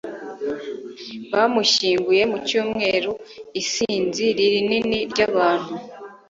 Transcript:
bamushyinguye mu cyumweru. isinzi rinini ry'abantu